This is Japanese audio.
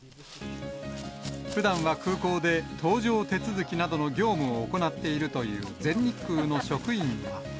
ふだんは空港で搭乗手続きなどの業務を行っているという全日空の職員は。